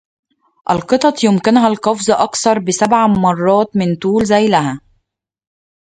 القطط يمكنها القفز أكثر بـ سبع مرات من طول ذيلها.